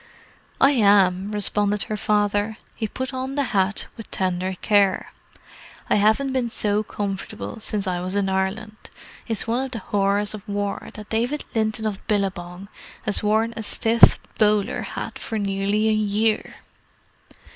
"I am," responded her father. He put on the hat with tender care. "I haven't been so comfortable since I was in Ireland. It's one of the horrors of war that David Linton of Billabong has worn a stiff bowler hat for nearly a year!"